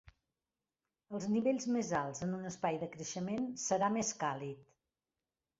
Els nivells més alts en un espai de creixement serà més càlid.